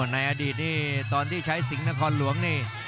ในอดีตนี่ตอนที่ใช้สิงห์นครหลวงนี่